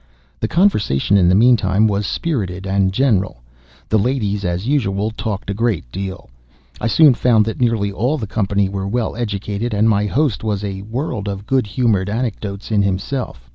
The conversation, in the meantime, was spirited and general. The ladies, as usual, talked a great deal. I soon found that nearly all the company were well educated; and my host was a world of good humored anecdote in himself.